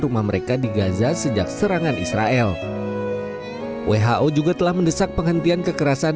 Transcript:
rumah mereka di gaza sejak serangan israel who juga telah mendesak penghentian kekerasan